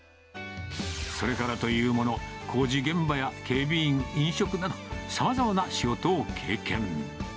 それからというもの、工事現場や警備員、飲食など、さまざまな仕事を経験。